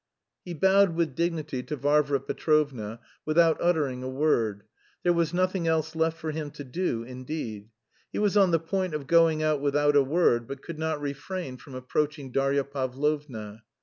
He bowed with dignity to Varvara Petrovna without uttering a word (there was nothing else left for him to do, indeed). He was on the point of going out without a word, but could not refrain from approaching Darya Pavlovna.